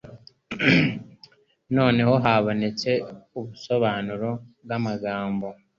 Noneho habonetse ubusobanuro bw'amagambo